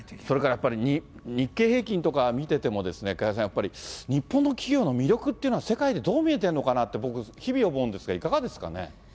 それからやっぱり日経平均とか見ててもですね、加谷さん、やっぱり日本の企業の魅力っていうのは、社会にどう見えてるのかなって、僕、日々思うんですが、いかがですかね。